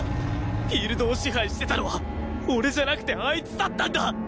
フィールドを支配してたのは俺じゃなくてあいつだったんだ！